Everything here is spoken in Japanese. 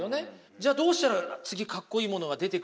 じゃどうしたら次かっこいいものが出てくるか。